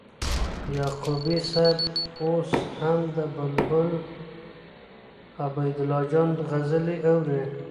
یعقوبی صاحب اوس هم د بلبل عبیدالله جان غزلي اوري